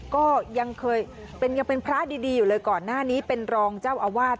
ก็ยังเคยเป็นยังเป็นพระดีอยู่เลยก่อนหน้านี้เป็นรองเจ้าอาวาส